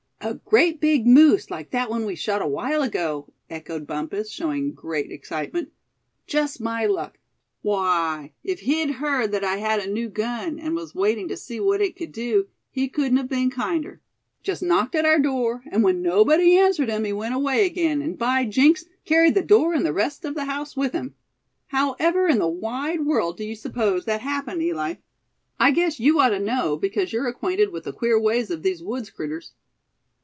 "A great big moose like that one we shot a while ago!" echoed Bumpus, showing great excitement. "Just my luck. Why, if he'd heard that I had a new gun, and was waiting to see what it could do, he couldn't have been kinder. Just knocked at our door; and when nobody answered him he went away again, and by jinks! carried the door and the rest of the house with him. However in the wide world do you suppose that happened, Eli? I guess you ought to know, because you're acquainted with the queer ways of these woods' critters."